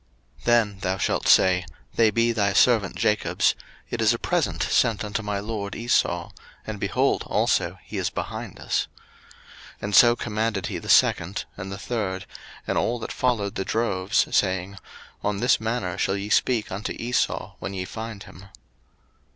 01:032:018 Then thou shalt say, They be thy servant Jacob's; it is a present sent unto my lord Esau: and, behold, also he is behind us. 01:032:019 And so commanded he the second, and the third, and all that followed the droves, saying, On this manner shall ye speak unto Esau, when ye find him.